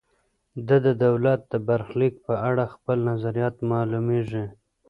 ده د دولت د برخلیک په اړه خپل نظریات معلوميږي.